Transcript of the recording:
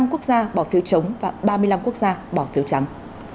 năm quốc gia bỏ phiếu chống và ba mươi năm quốc gia bỏ phiếu trắng